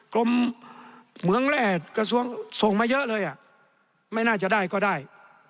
กรมเหมืองแร่กระทรวงส่งมาเยอะเลยอ่ะไม่น่าจะได้ก็ได้